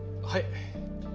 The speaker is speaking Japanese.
はい。